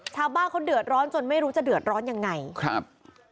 ชาวบ้านเขาเดือดร้อนจนไม่รู้จะเดือดร้อนยังไงครับ